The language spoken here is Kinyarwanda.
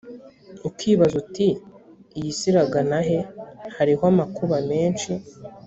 ukibaza uti iyi si iragana he hariho amakuba menshi